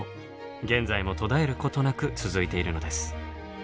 現在も途絶えることなく続いているのです。